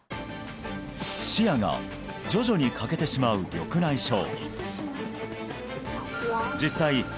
視野が徐々に欠けてしまう緑内障